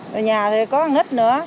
rồi nhà thì